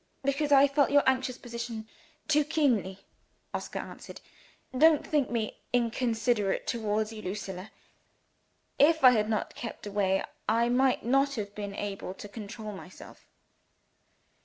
"Because I felt your anxious position too keenly," Oscar answered. "Don't think me inconsiderate towards you, Lucilla. If I had not kept away, I might not have been able to control myself."